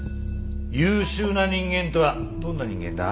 優秀な人間とはどんな人間だ？